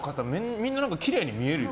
みんなきれいに見えるよね。